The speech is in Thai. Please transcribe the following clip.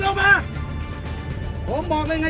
ขอเชิญลุงนี้ดีกว่าไม่ยอมลงรถ